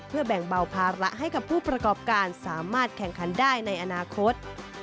เพื่อแบ่งเบาภาระให้กับผู้ประกอบการสามารถแข่งขันได้ในอนาคต